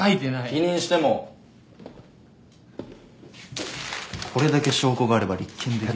否認してもこれだけ証拠があれば立件できる。